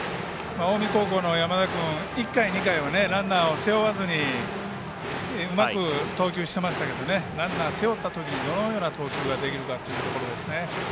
近江高校の山田君１回、２回はランナー背負わずにうまく投球していましたけどランナーを背負ったときどのような投球ができるかっていうところですね。